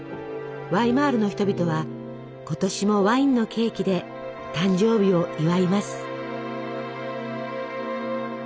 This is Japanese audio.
ワイマールの人々は今年もワインのケーキで誕生日を祝います。